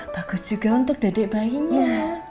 bagus juga untuk dedik bayinya